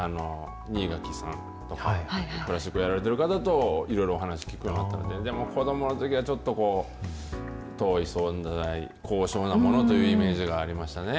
にいがきさんとか、クラシックやられてる方と、いろいろお話聞くようになったので、でも子どものときは、ちょっとこう、遠い存在、高尚なものというイメージがありましたね。